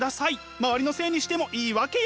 周りのせいにしてもいいわけよ？